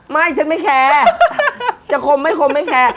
ไม่ฉันไม่แคร์จะคมไม่คมไม่แคร์